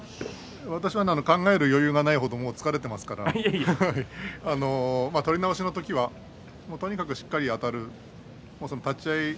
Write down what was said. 私はもう考える余裕がない程疲れていますから取り直しの時はもうとにかくしっかりあたる。